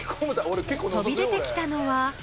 ［飛び出てきたのは］